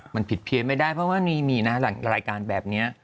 มันผิดเพี้ยนไม่ได้เพราะว่ามีนะหลังรายการแบบนี้